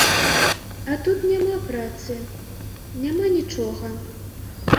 А тут няма працы, няма нічога.